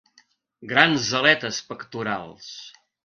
Grans aletes pectorals.